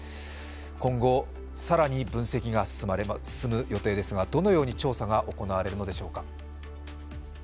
今後、更に分析が進む予定ですがどのように調査が行われるのでしょうか。